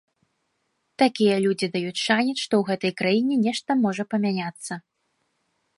Такія людзі даюць шанец, што ў гэтай краіне нешта можа памяняцца.